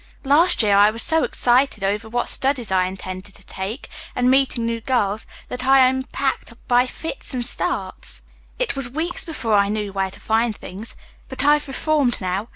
"Last year I was so excited over what studies I intended to take and meeting new girls that I unpacked by fits and starts. It was weeks before I knew where to find things. But I've reformed, now.